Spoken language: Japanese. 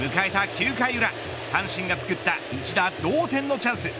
９回裏阪神がつくった一打同点のチャンス。